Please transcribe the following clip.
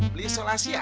beli selasih ada